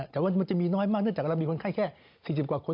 แต่ว่ามันจะมีน้อยมากเนื่องจากเรามีคนไข้แค่๔๐กว่าคน